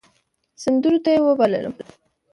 سندرو ته يې وبللم .